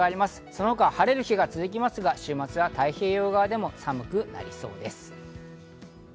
その他、晴れる日が続きますが週末は太平洋側でも寒くなりそうです。